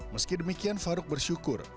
meski demikian farouk bersyukur